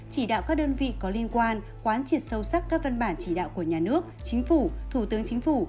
chỉ đạo các đơn vị có liên quan quán triệt sâu sắc các văn bản chỉ đạo của nhà nước chính phủ thủ tướng chính phủ